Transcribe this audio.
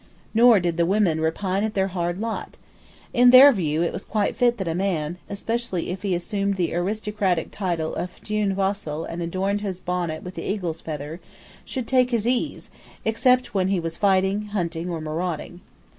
Nor did the women repine at their hard lot. In their view it was quite fit that a man, especially if he assumed the aristocratic title of Duinhe Wassel and adorned his bonnet with the eagle's feather, should take his ease, except when he was fighting, hunting, or marauding.